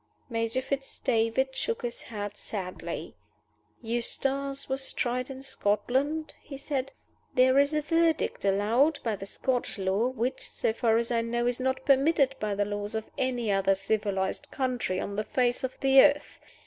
Major Fitz David shook his head sadly. "Eustace was tried in Scotland," he said. "There is a verdict allowed by the Scotch law, which (so far as I know) is not permitted by the laws of any other civilized country on the face of the earth.